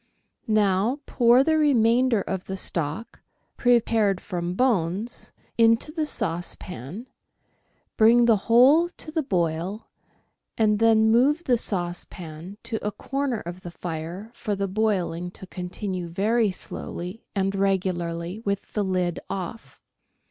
Now pour the remainder of the stock, prepared from bones, into the saucepan, bring the whole to the boil, and then move the saucepan to a corner of the fire for the boiling to continue very slowly and regularly with the lid off.